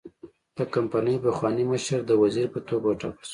د کمپنۍ پخوانی مشر د وزیر په توګه وټاکل شو.